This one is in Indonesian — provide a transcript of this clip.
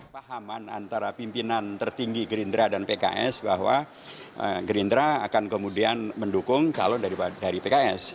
pahaman antara pimpinan tertinggi gerindra dan pks bahwa gerindra akan kemudian mendukung calon dari pks